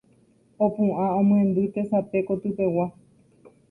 opu'ã omyendy tesape kotypegua